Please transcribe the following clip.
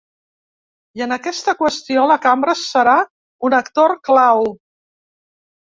I en aquesta qüestió la cambra serà un actor clau.